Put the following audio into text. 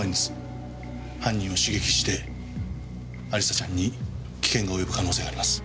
犯人を刺激して亜里沙ちゃんに危険が及ぶ可能性があります。